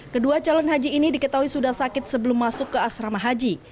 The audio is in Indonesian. kedua calon haji ini diketahui sudah sakit sebelum masuk ke asrama haji